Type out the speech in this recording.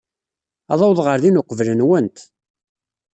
Ad awḍeɣ ɣer din uqbel-nwent.